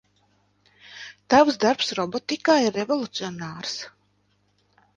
Tavs darbs robotikā ir revolucionārs.